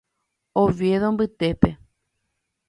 Oviedo mbytépe.